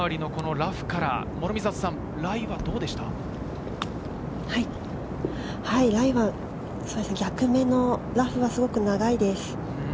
ライは、逆目のラフがすごく長いです。